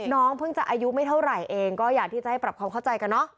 น้องเพิ่งจะอายุไม่เท่าไหร่เองก็อยากที่จะให้ปรับความเข้าใจกันเนอะ